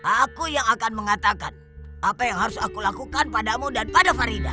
aku yang akan mengatakan apa yang harus aku lakukan padamu dan pada farida